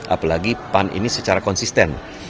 apalagi pan ini secara konsisten